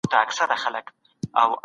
د فکر رنګيني له کوم ځایه پېل کېږي؟